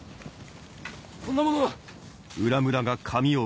こんなものが！